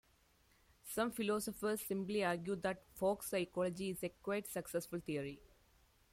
Some philosophers simply argue that folk psychology is a quite successful theory.